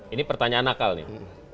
ini pertanyaan nakal nih